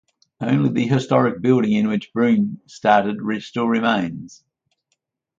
Only the historic building in which brewing started still remains.